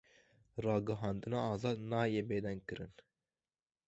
Ragihandina azad nayê bêdengkirin.